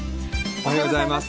おはようございます。